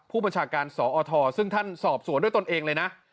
ผู้บัญชาการสอทซึ่งท่านสอบสวนด้วยตนเองเลยนะ